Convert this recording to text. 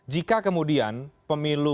jika kemudian pemilu